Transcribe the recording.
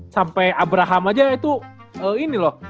sampai abraham aja itu ini loh